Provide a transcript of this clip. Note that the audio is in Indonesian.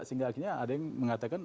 sehingga akhirnya ada yang mengatakan